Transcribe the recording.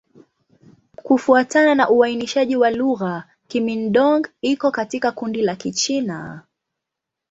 Kufuatana na uainishaji wa lugha, Kimin-Dong iko katika kundi la Kichina.